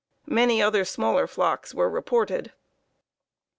Many other smaller flocks were reported."